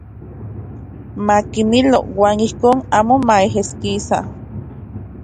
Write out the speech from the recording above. Makimilo uan ijkon amo maeskijkisa.